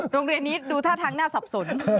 โรงเรียนนี้ดูท่าทางน่าสับสน